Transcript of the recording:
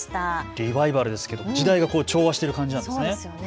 リバイバルですけど時代が調和している感じなんですね。